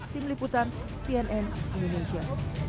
tim liputan cnn indonesia